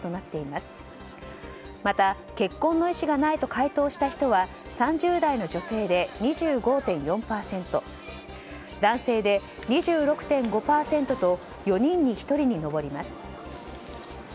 また結婚の意思がないと回答した人は３０代の女性で２５．４％男性で２６．５％と４人に１人に上ります。